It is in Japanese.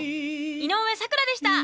井上咲楽でした！